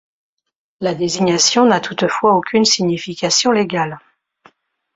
La désignation n'a toutefois aucune signification légale.